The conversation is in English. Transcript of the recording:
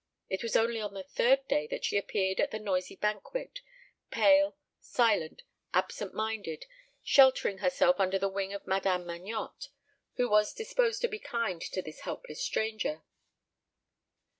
It was only on the third day that she appeared at the noisy banquet, pale, silent, absent minded, sheltering herself under the wing of Madame Magnotte, who was disposed to be kind to this helpless stranger.